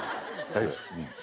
大丈夫っすか。